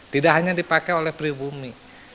tidak hanya dipakai oleh pribumi